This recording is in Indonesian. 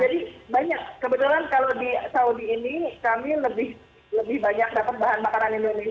jadi banyak kebetulan kalau di saudi ini kami lebih banyak dapat bahan makanan indonesia